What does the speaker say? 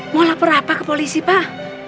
mau lapor apa ke polisi pak